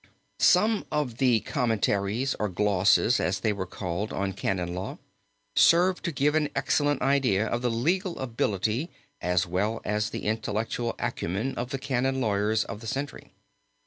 Some of the commentaries, or glosses as they were called, on canon law serve to give an excellent idea of the legal ability as well as the intellectual acumen of the canon lawyers of the century.